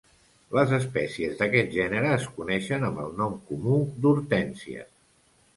Les espècies d'aquest gènere es coneixen amb el nom comú d'hortènsia.